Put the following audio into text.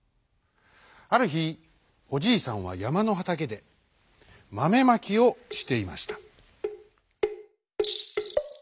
あるひおじいさんはやまのはたけでマメまきをしていました。